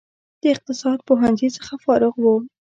د اقتصاد پوهنځي څخه فارغ و.